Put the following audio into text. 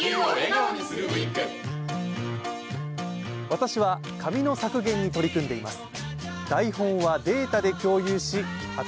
私は紙の削減に取り組んでいます。